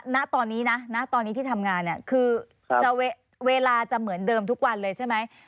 ณตอนนี้นะณตอนนี้ที่ทำงานเนี่ยคือเวลาจะเหมือนเดิมทุกวันเลยใช่ไหม